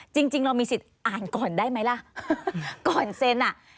จริงจริงเรามีสิทธิ์อ่านก่อนได้ไหมล่ะก่อนเซ็นอ่ะ